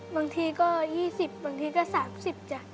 บางทีก็๒๐บางทีก็๓๐จ้ะ